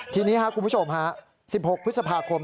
ทีนี้ครับคุณผู้ชมฮะ๑๖พฤษภาคม